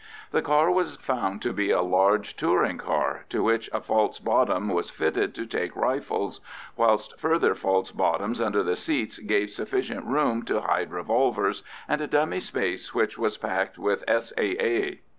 The car was found to be a large touring car, to which a false bottom was fitted to take rifles, whilst further false bottoms under the seats gave sufficient room to hide revolvers, and a dummy space which was packed with S.A.A.